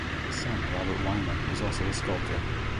His son Robert Weinman was also a sculptor.